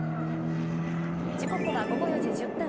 時刻は午後４時１０分。